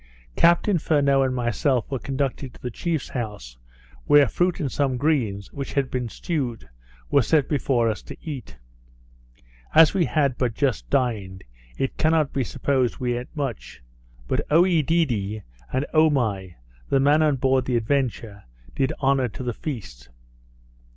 Captain Furneaux and myself were conducted to the chief's house, where fruit and some greens, which had been stewed, were set before us to eat. As we had but just dined, it cannot be supposed we eat much; but Oedidee, and Omai, the man on board the Adventure, did honour to the feast.